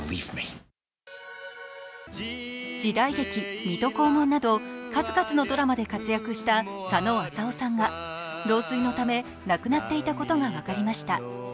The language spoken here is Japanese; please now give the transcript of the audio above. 時代劇「水戸黄門」など数々のドラマで活躍した佐野浅夫さんが老衰のため亡くなっていたことが分かりました。